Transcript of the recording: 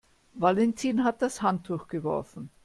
Valentin hat das Handtuch geworfen.